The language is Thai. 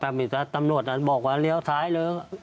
แต่มีสัตว์ตำรวจนั้นบอกว่าเลี้ยวซ้ายเลย